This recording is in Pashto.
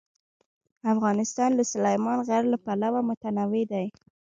افغانستان د سلیمان غر له پلوه متنوع دی.